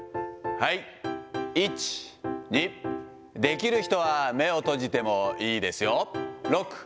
はい、１、２、できる人は目を閉じてもいいですよ。